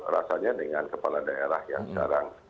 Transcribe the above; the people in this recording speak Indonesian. rasanya dengan kepala daerah yang sekarang